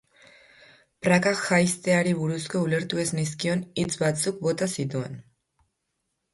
Praka jaisteari buruzko ulertu ez nizkion hitz batzuk bota zituen.